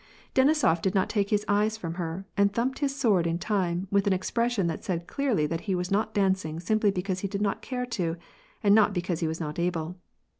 Denisof did not take his eyes from her, and thumped his sword in time, with an expression that said clearly that he was not dancing simply because he did not care to, and not be cause he was not able.